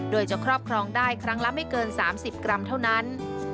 โดยจะครอบครองได้ครั้งละไม่เกิน๓๐กรัมเท่านั้น